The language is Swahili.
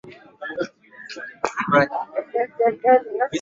taarifa iliyotolewa na mkurugenzi wa fao david halan